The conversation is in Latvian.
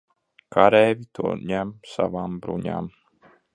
Kareivji to ņem savām bruņām.